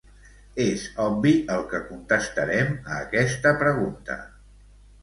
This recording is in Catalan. És obvi el que contestarem a aquesta pregunta.